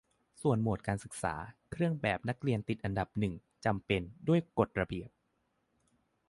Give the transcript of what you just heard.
ส่วนหมวดการศึกษา เครื่องแบบนักเรียนติดอันดับหนึ่ง "จำเป็น" ด้วยกฎระเบียบ